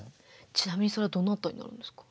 ちなみにそれはどなたになるんですか？